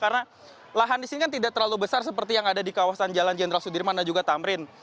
karena lahan di sini kan tidak terlalu besar seperti yang ada di kawasan jalan jenderal sudirman dan juga tamrin